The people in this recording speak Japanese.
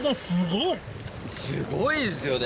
すごいですよね。